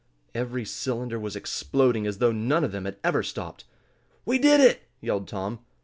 Every cylinder was exploding as though none of them had ever stopped! "We did it!" yelled Tom.